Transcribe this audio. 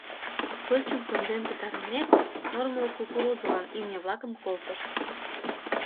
Пырчым конден пытарымек, нормылык кукурузылан имнян-влакым колтышт.